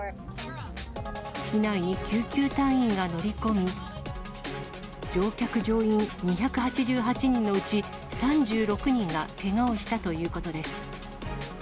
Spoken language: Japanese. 機内に救急隊員が乗り込み、乗客・乗員２８８人のうち３６人がけがをしたということです。